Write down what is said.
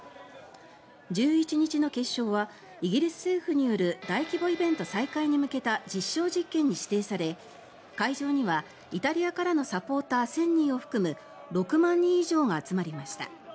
１１日の決勝はイギリス政府による大規模イベント再開に向けた実証実験に指定され会場にはイタリアからのサポーター１０００人を含む６万人以上が集まりました。